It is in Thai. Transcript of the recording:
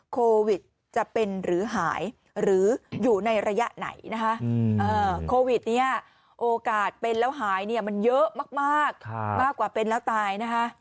โควิดจะเป็นหรือหายหรืออยู่ในระยะไหนโควิดโอกาสเป็นแล้วหายมันเยอะมากมากกว่าเป็นแล้วตาย